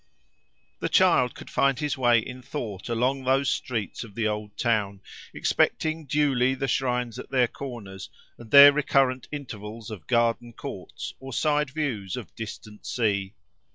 The child could find his way in thought along those streets of the old town, expecting duly the shrines at their corners, and their recurrent intervals of garden courts, or side views of distant sea.